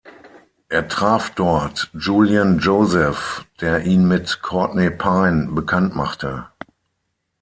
Er traf dort Julian Joseph, der ihn mit Courtney Pine bekanntmachte.